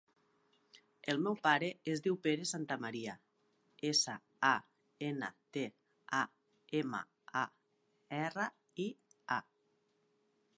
El meu pare es diu Pere Santamaria: essa, a, ena, te, a, ema, a, erra, i, a.